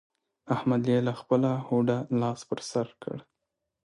احمد يې له خپله هوډه لاس پر سر کړ.